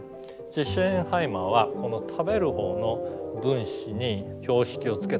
シェーンハイマーはこの食べるほうの分子に標識をつけた。